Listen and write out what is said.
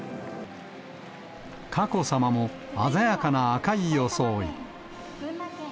佳子さまも鮮やかな赤い装い。